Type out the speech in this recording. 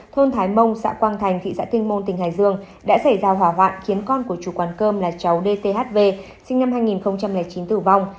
thôn thái mông xã quang thành thị xã kinh môn tỉnh hải dương đã xảy ra hỏa hoạn khiến con của chủ quán cơm là cháu dthv sinh năm hai nghìn chín tử vong